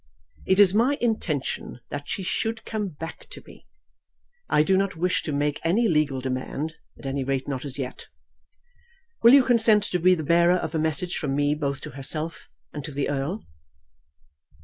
"It is my intention that she should come back to me. I do not wish to make any legal demand; at any rate, not as yet. Will you consent to be the bearer of a message from me both to herself and to the Earl?"